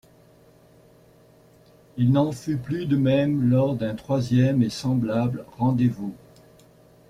»Il n'en fut plus de même lors d'un troisième et semblable rendez-vous.